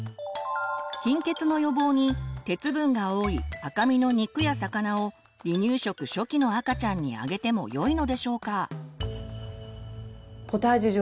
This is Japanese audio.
貧血の予防に鉄分が多い赤身の肉や魚を離乳食初期の赤ちゃんにあげてもよいのでしょうか？